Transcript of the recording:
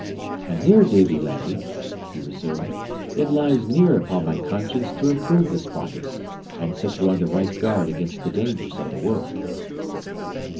And here, Davie, laddie," he resumed, "it lies near upon my conscience to improve this parting, and set you on the right guard against the dangers of the world."